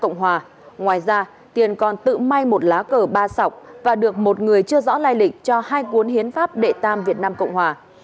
ngoài ra tiền còn tự may một lá cờ ba sọc và được một người chưa rõ lai lịch cho hai cuốn hiến pháp đệ tam việt nam cộng hòa